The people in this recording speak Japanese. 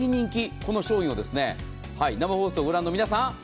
この商品を生放送ご覧の皆さん